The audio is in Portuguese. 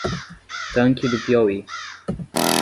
Tanque do Piauí